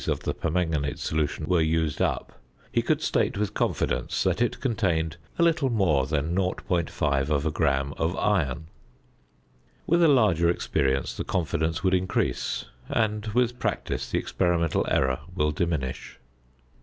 of the permanganate solution were used up, he could state with confidence that it contained a little more than 0.5 gram of iron. With a larger experience the confidence would increase, and with practice the experimental error will diminish.